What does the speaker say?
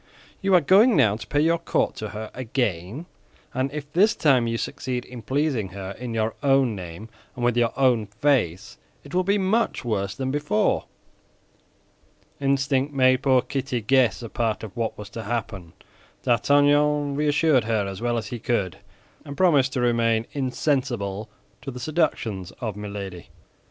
You are going now to pay your court to her again, and if this time you succeed in pleasing her in your own name and with your own face, it will be much worse than before." Instinct made poor Kitty guess a part of what was to happen. D'Artagnan reassured her as well as he could, and promised to remain insensible to the seductions of Milady.